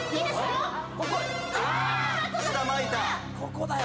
ここだよ。